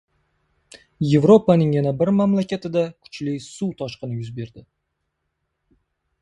Evropaning yana bir mamlakatida kuchli suv toshqini yuz berdi